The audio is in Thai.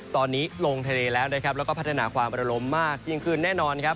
ตอนนี้ลงทะเลแล้วนะครับแล้วก็พัฒนาความระลมมากยิ่งขึ้นแน่นอนครับ